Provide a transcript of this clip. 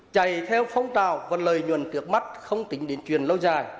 chạy theo phong trào và lời nhuận cược mắt không tính đến truyền lâu dài